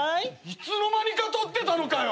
いつの間にか取ってたのかよ。